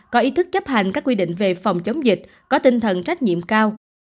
có ý thức chấp hành các quy định về phòng chống dịch có tinh thần trách nhiệm cao